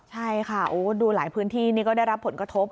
ใช่ค่ะดูหลายพื้นที่นี่ก็ได้รับผลกระทบ